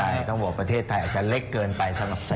ใช่ต้องบอกประเทศไทยอาจจะเล็กเกินไปสำหรับ